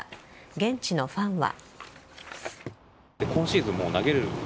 現地のファンは。